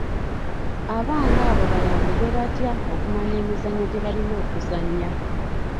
Abaana abo bayambibwe batya okumanya emizannyo gye balina okuzannya.